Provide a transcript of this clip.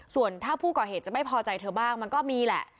ส่วนถ้าผู้ก่อเหตุจะไม่พอใจเธอบ้างมันก็มีแหละ